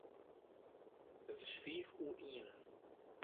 It is fiif oer ienen.